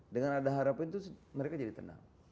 dengan ada harapan itu mereka jadi tenang